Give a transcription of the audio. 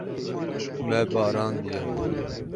Me barandiye.